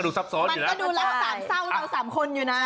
แล้วก็ดูเร้า๓เส้าเรา๓คนอยู่นะ